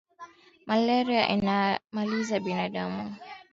mbu ndiyo wanaoeneza malaria kwa binadamu